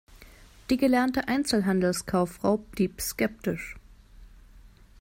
Die gelernte Einzelhandelskauffrau blieb skeptisch.